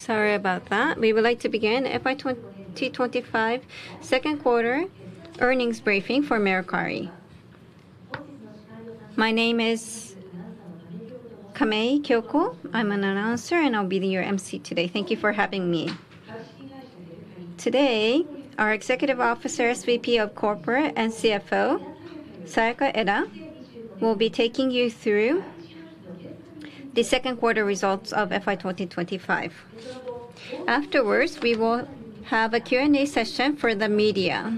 Sorry about that. We would like to begin FY 2025 second quarter earnings briefing for Mercari. My name is Kame Kyoko. I'm an announcer, and I'll be your emcee today. Thank you for having me. Today, our Executive Officer, SVP of Corporate, and CFO, Sayaka Eda, will be taking you through the second quarter results of FY 2025. Afterwards, we will have a Q&A session for the media,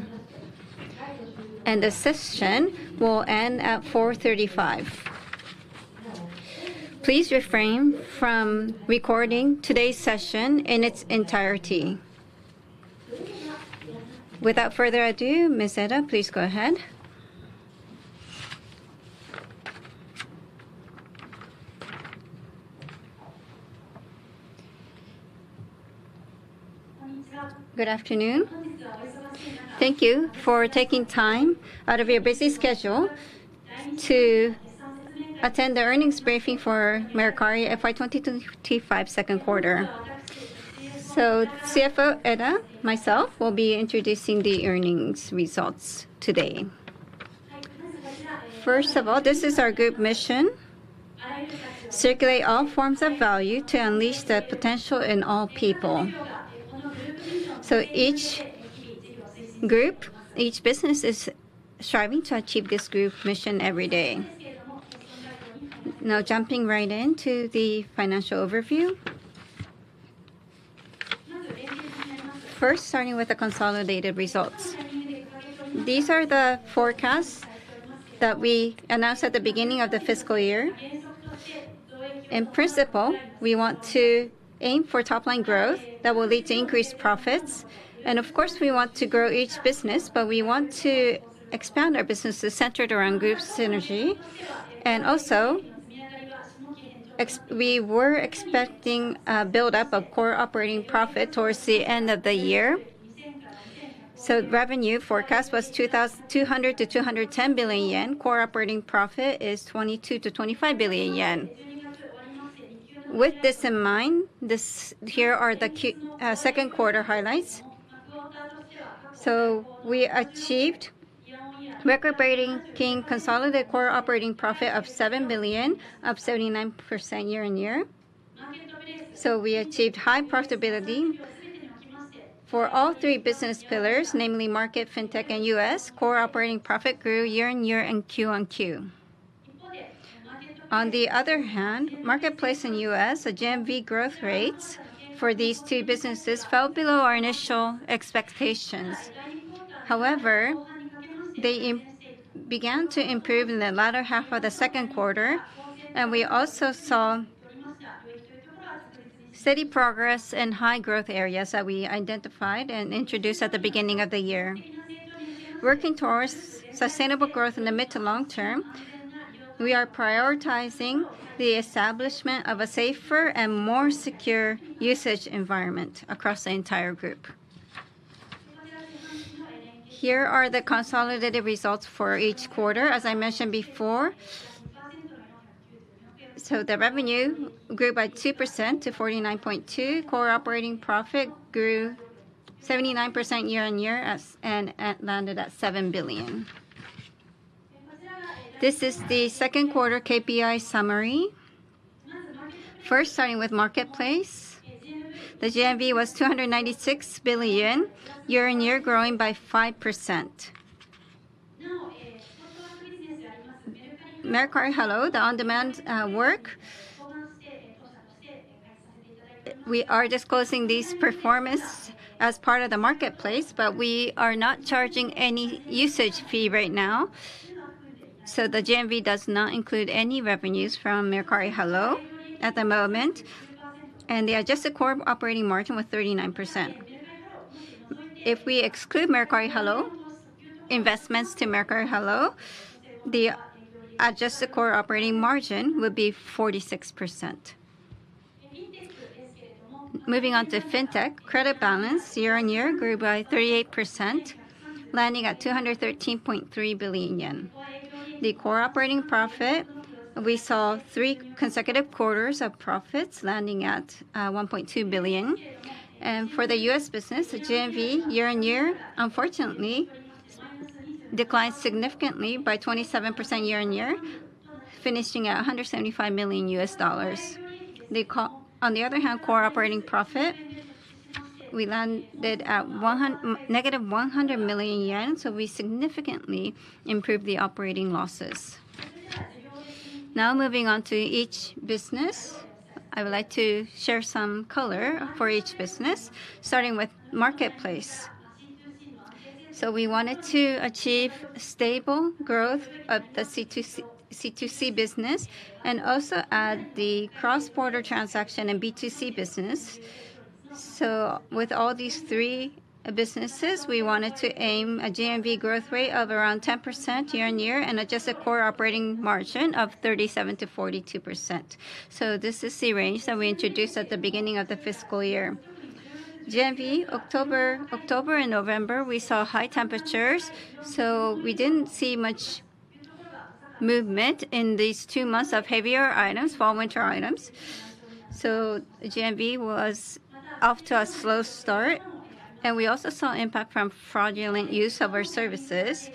and the session will end at 4:35 P.M. Please refrain from recording today's session in its entirety. Without further ado, Ms. Eda, please go ahead. Good afternoon. Thank you for taking time out of your busy schedule to attend the earnings briefing for Mercari FY 2025 second quarter. So, CFO Eda, myself, will be introducing the earnings results today. First of all, this is our group mission: circulate all forms of value to unleash the potential in all people. Each group, each business is striving to achieve this group mission every day. Now, jumping right into the financial overview. First, starting with the consolidated results. These are the forecasts that we announced at the beginning of the fiscal year. In principle, we want to aim for top-line growth that will lead to increased profits. Of course, we want to grow each business, but we want to expand our business to center it around group synergy. Also, we were expecting a build-up of core operating profit towards the end of the year. Revenue forecast was 200-210 billion yen. Core operating profit is 22-25 billion yen. With this in mind, here are the second quarter highlights. We achieved record-breaking consolidated core operating profit of 7 billion, up 79% year-on-year. So, we achieved high profitability for all three business pillars, namely Market, Fintech, and U.S. Core operating profit grew year-on-year and Q on Q. On the other hand, Marketplace and U.S. GMV growth rates for these two businesses fell below our initial expectations. However, they began to improve in the latter half of the second quarter, and we also saw steady progress in high growth areas that we identified and introduced at the beginning of the year. Working towards sustainable growth in the mid to long term, we are prioritizing the establishment of a safer and more secure usage environment across the entire group. Here are the consolidated results for each quarter. As I mentioned before, the revenue grew by 2% to 49.2 billion. Core operating profit grew 79% year-on-year and landed at 7 billion. This is the second quarter KPI summary. First, starting with Marketplace, the GMV was 296 billion year-on-year, growing by 5%. Mercari Hallo, the on-demand work. We are disclosing these performances as part of the Marketplace, but we are not charging any usage fee right now, the GMV does not include any revenues from Mercari Hallo at the moment, and the adjusted core operating margin was 39%. If we exclude Mercari Hallo investments to Mercari Hallo, the adjusted core operating margin would be 46%. Moving on to Fintech, credit balance year-on-year grew by 38%, landing at 213.3 billion yen. The core operating profit, we saw three consecutive quarters of profits landing at 1.2 billion, for the U.S. business, the GMV year-on-year, unfortunately, declined significantly by 27% year-on-year, finishing at $175 million. On the other hand, core operating profit, we landed at -100 million yen, so we significantly improved the operating losses. Now, moving on to each business, I would like to share some color for each business, starting with marketplace. We wanted to achieve stable growth of the C2C business and also add the cross-border transaction and B2C business. With all these three businesses, we wanted to aim a GMV growth rate of around 10% year-on-year and adjusted core operating margin of 37%-42%. This is the range that we introduced at the beginning of the fiscal year. GMV, October and November, we saw high temperatures, so we didn't see much movement in these two months of heavier items, fall winter items. GMV was off to a slow start, and we also saw impact from fraudulent use of our services.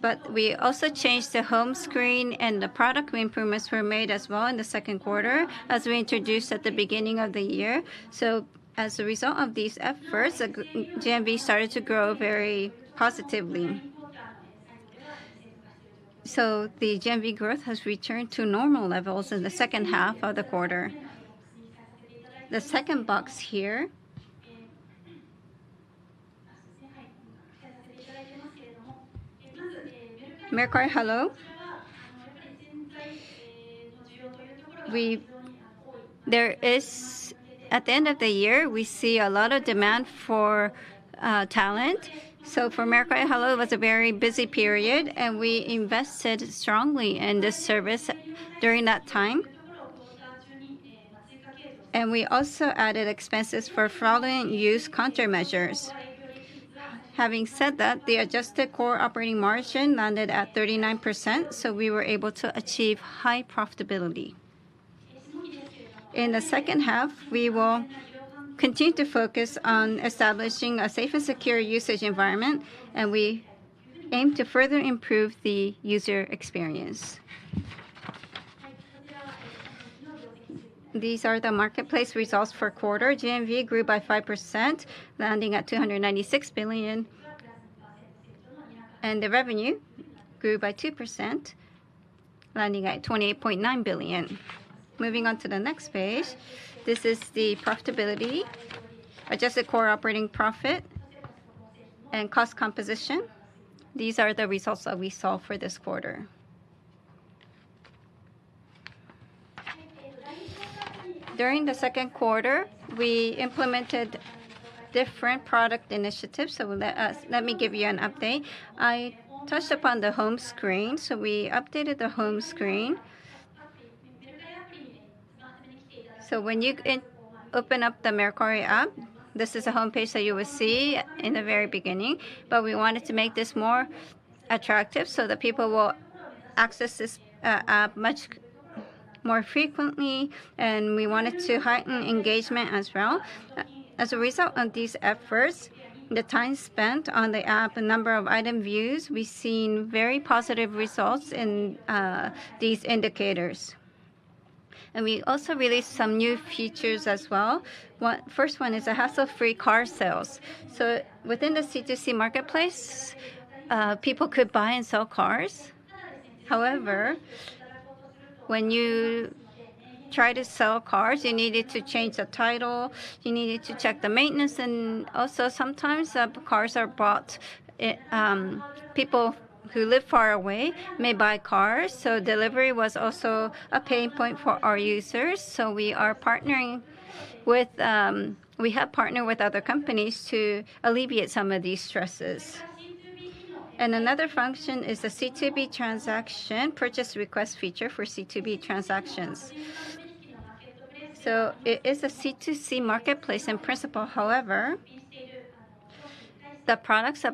But we also changed the home screen, and the product improvements were made as well in the second quarter, as we introduced at the beginning of the year. So, as a result of these efforts, GMV started to grow very positively. So, the GMV growth has returned to normal levels in the second half of the quarter. The second box here. Mercari Hallo. There is, at the end of the year, we see a lot of demand for talent. So, for Mercari Hallo, it was a very busy period, and we invested strongly in this service during that time. And we also added expenses for fraudulent use countermeasures. Having said that, the adjusted core operating margin landed at 39%, so we were able to achieve high profitability. In the second half, we will continue to focus on establishing a safe and secure usage environment, and we aim to further improve the user experience. These are the marketplace results for quarter. GMV grew by 5%, landing at 296 billion. And the revenue grew by 2%, landing at 28.9 billion. Moving on to the next page, this is the profitability, adjusted core operating profit, and cost composition. These are the results that we saw for this quarter. During the second quarter, we implemented different product initiatives. So, let me give you an update. I touched upon the home screen, so we updated the home screen. So, when you open up the Mercari app, this is the homepage that you will see in the very beginning, but we wanted to make this more attractive so that people will access this app much more frequently, and we wanted to heighten engagement as well. As a result of these efforts, the time spent on the app, the number of item views, we've seen very positive results in these indicators. And we also released some new features as well. The first one is hassle-free car sales. So, within the C2C marketplace, people could buy and sell cars. However, when you try to sell cars, you needed to change the title, you needed to check the maintenance, and also sometimes cars are bought. People who live far away may buy cars, so delivery was also a pain point for our users. So, we are partnering with, we have partnered with other companies to alleviate some of these stresses. And another function is the C2B transaction purchase request feature for C2B transactions. So, it is a C2C marketplace in principle. However, the products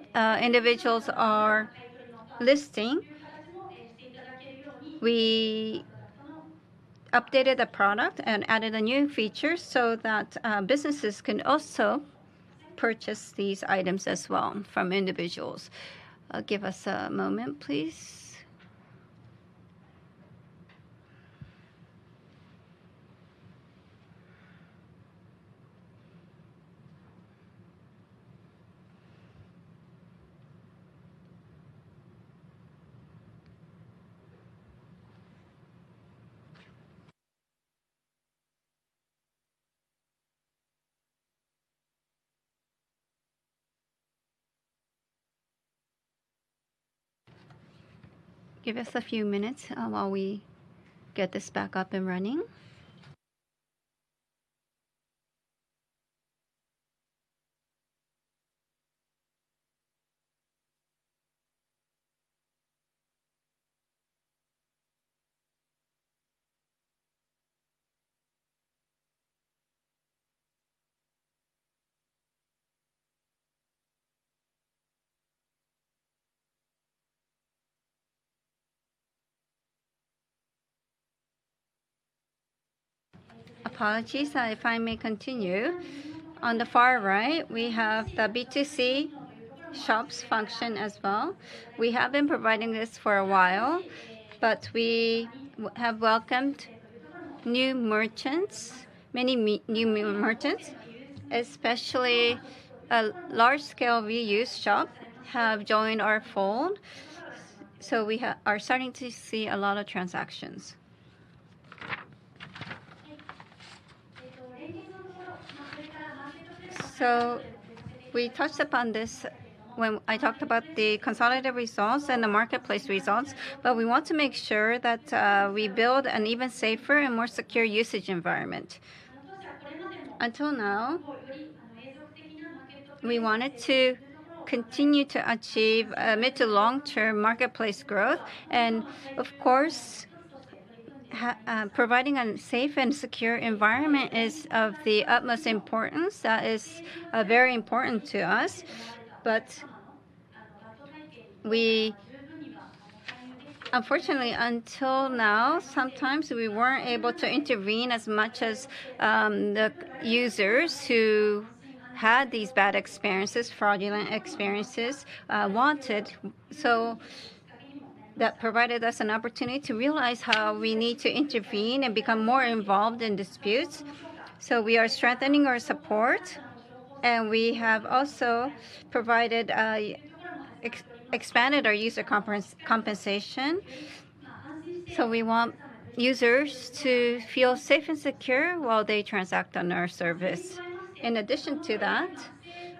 individuals are listing, we updated the product and added a new feature so that businesses can also purchase these items as well from individuals. Give us a moment, please. Give us a few minutes while we get this back up and running. Apologies, if I may continue. On the far right, we have the B2C shops function as well. We have been providing this for a while, but we have welcomed new merchants, many new merchants, especially a large-scale reuse shop have joined our fold. So, we are starting to see a lot of transactions. So, we touched upon this when I talked about the consolidated results and the marketplace results, but we want to make sure that we build an even safer and more secure usage environment. Until now, we wanted to continue to achieve mid- to long-term marketplace growth, and of course, providing a safe and secure environment is of the utmost importance. That is very important to us. But we, unfortunately, until now, sometimes we weren't able to intervene as much as the users who had these bad experiences, fraudulent experiences, wanted. So, that provided us an opportunity to realize how we need to intervene and become more involved in disputes. So, we are strengthening our support, and we have also provided, expanded our user compensation. So, we want users to feel safe and secure while they transact on our service. In addition to that,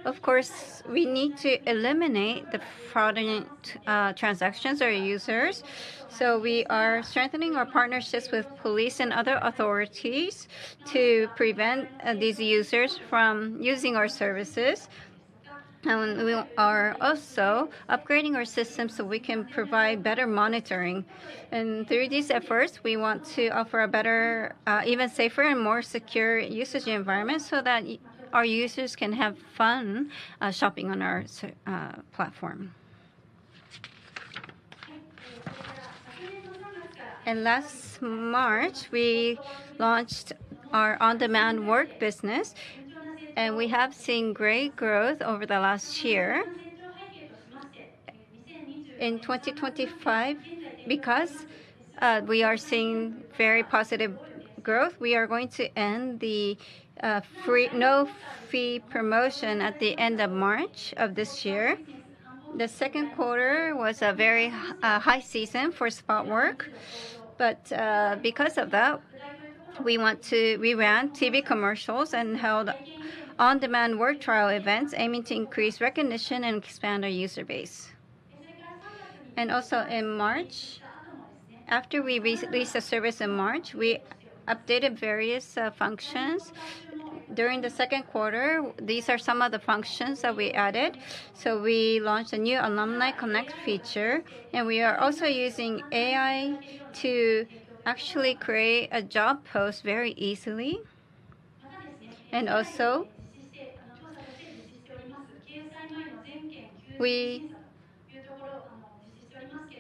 of course, we need to eliminate the fraudulent transactions or users. So, we are strengthening our partnerships with police and other authorities to prevent these users from using our services. And we are also upgrading our system so we can provide better monitoring. And through these efforts, we want to offer a better, even safer and more secure usage environment so that our users can have fun shopping on our platform. And last March, we launched our on-demand work business, and we have seen great growth over the last year. In 2025, because we are seeing very positive growth, we are going to end the no-fee promotion at the end of March of this year. The second quarter was a very high season for spot work, but because of that, we ran TV commercials and held on-demand work trial events aiming to increase recognition and expand our user base. Also in March, after we released the service in March, we updated various functions. During the second quarter, these are some of the functions that we added. We launched a new Alumni Connect feature, and we are also using AI to actually create a job post very easily. We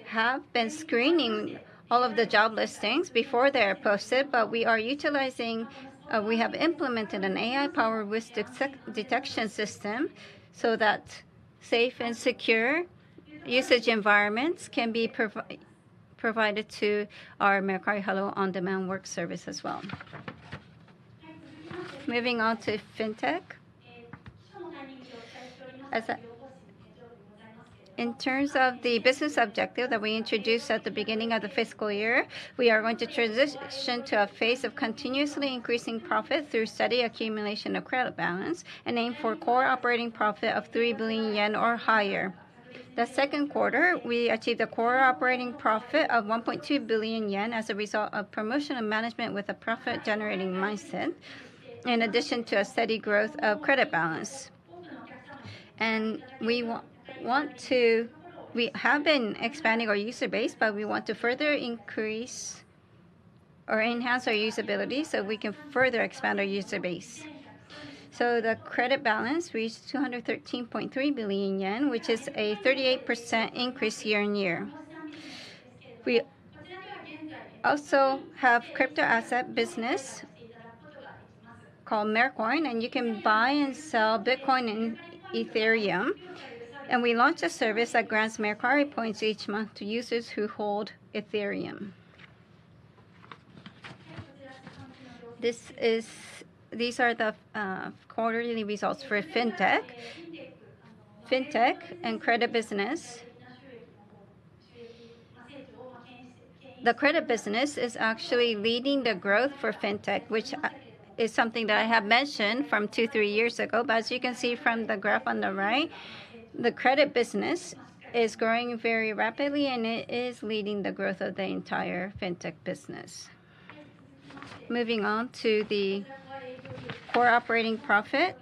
have been screening all of the job listings before they are posted, but we have implemented an AI-powered risk detection system so that safe and secure usage environments can be provided to our Mercari Hallo on-demand work service as well. Moving on to fintech. In terms of the business objective that we introduced at the beginning of the fiscal year, we are going to transition to a phase of continuously increasing profits through steady accumulation of credit balance and aim for core operating profit of 3 billion yen or higher. The second quarter, we achieved a core operating profit of 1.2 billion yen as a result of promotion and management with a profit-generating mindset, in addition to a steady growth of credit balance. And we want to, we have been expanding our user base, but we want to further increase or enhance our usability so we can further expand our user base. So, the credit balance reached 213.3 billion yen, which is a 38% increase year-on-year. We also have a crypto asset business called Mercoin, and you can buy and sell Bitcoin and Ethereum. And we launched a service that grants Mercari points each month to users who hold Ethereum. These are the quarterly results for fintech. Fintech and credit business. The credit business is actually leading the growth for fintech, which is something that I have mentioned from two or three years ago. But as you can see from the graph on the right, the credit business is growing very rapidly, and it is leading the growth of the entire fintech business. Moving on to the core operating profit.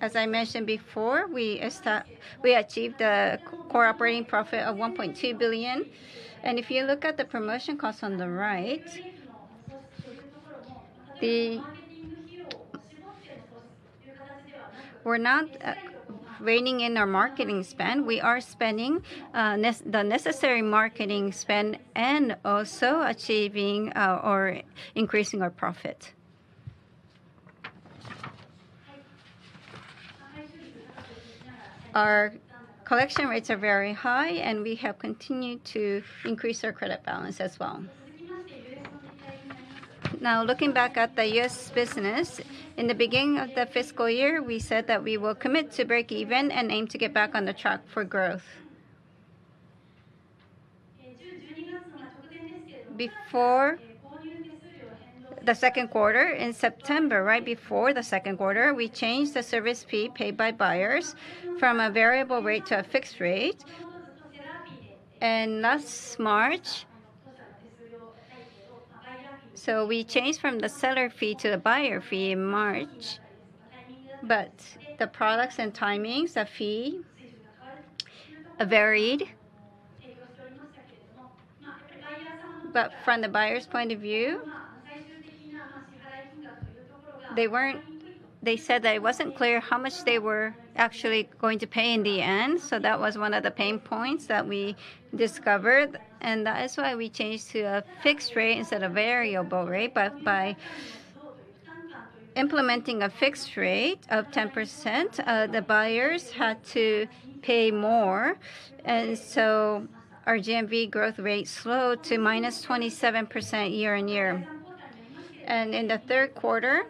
As I mentioned before, we achieved a core operating profit of 1.2 billion. And if you look at the promotion cost on the right, we're not reining in our marketing spend. We are spending the necessary marketing spend and also achieving or increasing our profit. Our collection rates are very high, and we have continued to increase our credit balance as well. Now, looking back at the U.S. business, in the beginning of the fiscal year, we said that we will commit to break even and aim to get back on the track for growth. Before the second quarter, in September, right before the second quarter, we changed the service fee paid by buyers from a variable rate to a fixed rate, and last March, so we changed from the seller fee to the buyer fee in March, but the products and timings, the fee varied, but from the buyer's point of view, they said that it wasn't clear how much they were actually going to pay in the end, so that was one of the pain points that we discovered, and that is why we changed to a fixed rate instead of variable rate, but by implementing a fixed rate of 10%, the buyers had to pay more. Our GMV growth rate slowed to -27% year-on-year. In the third quarter,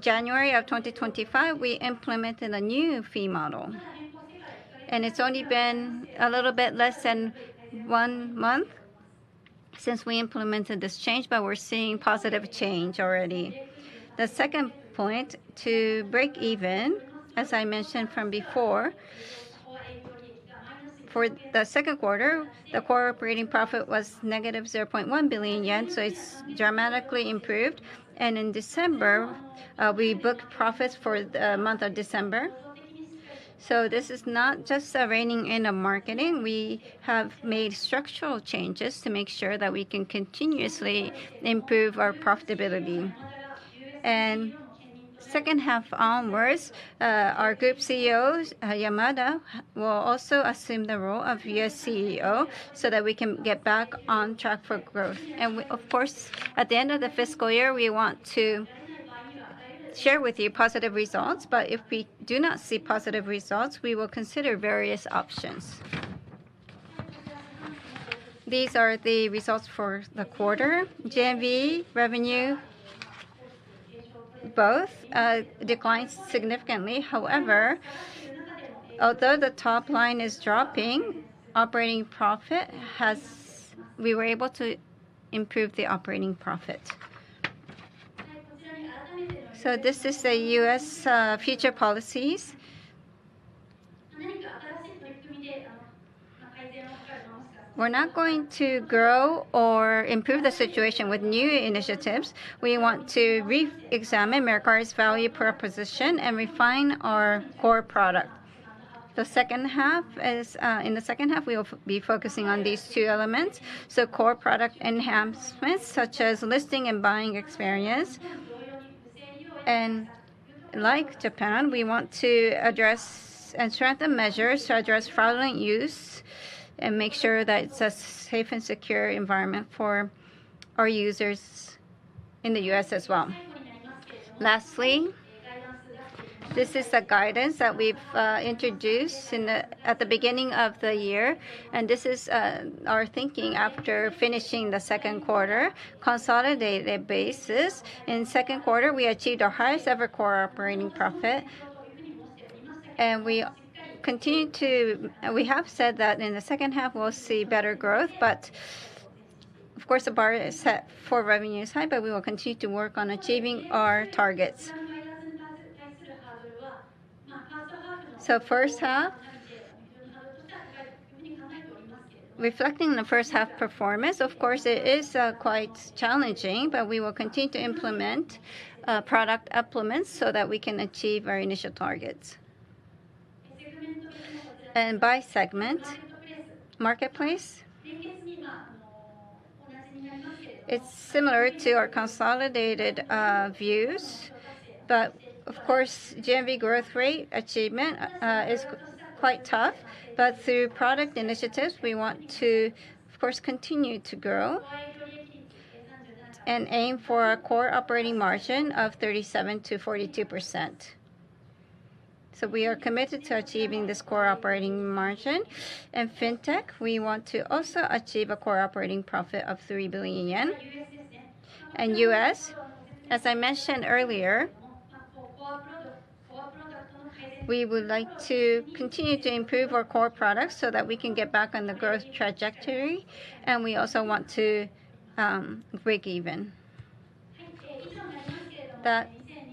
January of 2025, we implemented a new fee model. It's only been a little bit less than one month since we implemented this change, but we're seeing positive change already. The second point to break even, as I mentioned from before, for the second quarter, the core operating profit was -0.1 billion yen, so it's dramatically improved. In December, we booked profits for the month of December. This is not just a reining in of marketing. We have made structural changes to make sure that we can continuously improve our profitability. Second half onwards, our Group CEO, Yamada, will also assume the role of U.S. CEO so that we can get back on track for growth. Of course, at the end of the fiscal year, we want to share with you positive results. If we do not see positive results, we will consider various options. These are the results for the quarter. GMV revenue, both declined significantly. However, although the top line is dropping, operating profit, we were able to improve the operating profit. This is the U.S. future policies. We're not going to grow or improve the situation with new initiatives. We want to re-examine Mercari's value proposition and refine our core product. In the second half, we will be focusing on these two elements. Core product enhancements, such as listing and buying experience. Like Japan, we want to address and strengthen measures to address fraudulent use and make sure that it's a safe and secure environment for our users in the U.S. as well. Lastly, this is the guidance that we've introduced at the beginning of the year, and this is our thinking after finishing the second quarter, consolidated basis. In second quarter, we achieved our highest ever core operating profit, and we continue to, we have said that in the second half, we'll see better growth, but of course, the bar is set for revenue's high, but we will continue to work on achieving our targets, so first half, reflecting on the first half performance, of course, it is quite challenging, but we will continue to implement product up limits so that we can achieve our initial targets, and by segment, marketplace, it's similar to our consolidated views, but of course, GMV growth rate achievement is quite tough, but through product initiatives, we want to, of course, continue to grow and aim for a core operating margin of 37%-42%. So we are committed to achieving this core operating margin. And fintech, we want to also achieve a core operating profit of 3 billion yen. And U.S., as I mentioned earlier, we would like to continue to improve our core products so that we can get back on the growth trajectory. And we also want to break even. That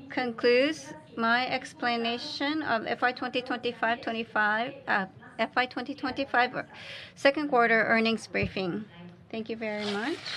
concludes my explanation of FY 2025 second quarter earnings briefing. Thank you very much.